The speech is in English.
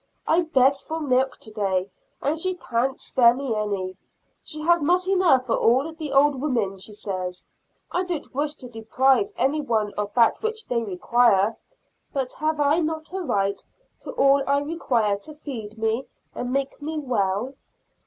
I begged for milk today, and she can't spare me any; she has not enough for all the old women, she says. I don't wish to deprive any one of that which they require, but have I not a right to all I require to feed me and make me well?